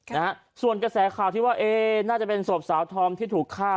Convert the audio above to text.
นะฮะส่วนกระแสข่าวที่ว่าเอ๊น่าจะเป็นศพสาวธอมที่ถูกฆ่า